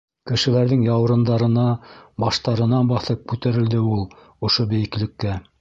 Кешеләрҙең яурындарына, баштарына баҫып күтәрелде ул ошо бейеклеккә.